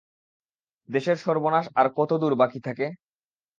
দেশের সর্বনাশ আর কত দূর বাকি থাকে?